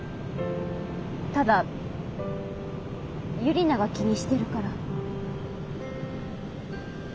ただユリナが気にしてるから。